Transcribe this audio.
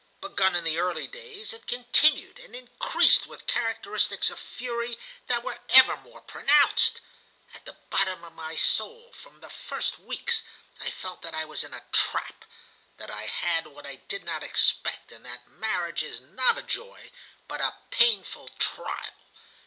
Begun in the early days, it continued and increased with characteristics of fury that were ever more pronounced. At the bottom of my soul, from the first weeks, I felt that I was in a trap, that I had what I did not expect, and that marriage is not a joy, but a painful trial.